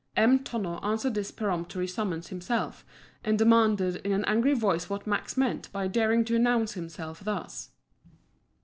M. Tonno answered this peremptory summons himself, and demanded in an angry voice what Max meant by daring to announce himself thus.